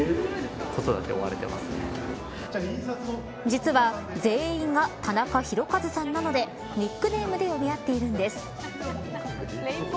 実は全員がタナカヒロカズさんなのでニックネームで呼び合っているんです。